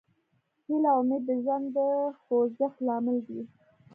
هیله او امید د ژوند د خوځښت لامل دی.